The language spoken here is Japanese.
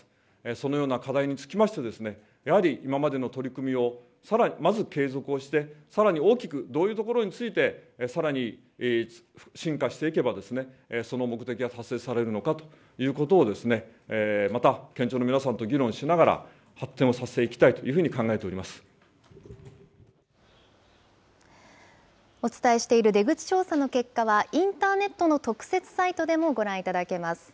そのような課題につきまして、やはり、今までの取り組みを、まず継続して、さらに大きく、どういうところについて、さらに進化していけばその目的は達成されるのかということを、また県庁の皆さんと議論しながら、発展をさせていきたいというふうお伝えしている出口調査の結果は、インターネットの特設サイトでもご覧いただけます。